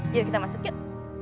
yuk kita masuk yuk